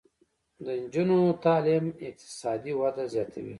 د نجونو تعلیم اقتصادي وده زیاتوي.